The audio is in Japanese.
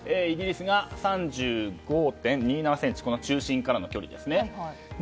イギリスが３５．２７ｃｍ中心からの距離ですね。